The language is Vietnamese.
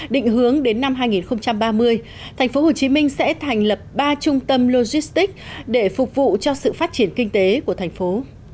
định hướng đến năm hai nghìn ba mươi tp hcm sẽ thành lập ba trung tâm logistics để phục vụ cho sự phát triển kinh tế của thành phố